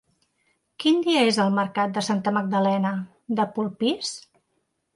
Quin dia és el mercat de Santa Magdalena de Polpís?